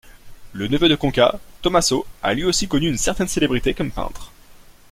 Le neveu de Conca, Tommaso, a lui aussi connu une certaine célébrité comme peintre.